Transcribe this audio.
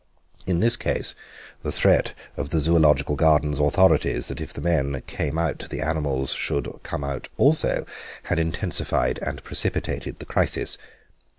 In this case the threat of the Zoological Gardens authorities that if the men "came out" the animals should come out also had intensified and precipitated the crisis.